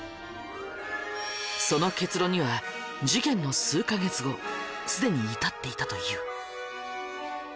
その結論には事件の数カ月後すでに至っていたという。